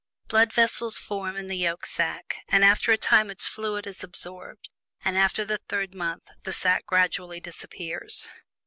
Blood vessels form in this yolk sack, and after a time its fluid is absorbed, and after the third month the sack gradually disappears.